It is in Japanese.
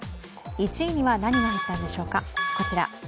１位には何が入ったんでしょうか。